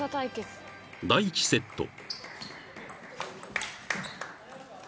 ［第１セット］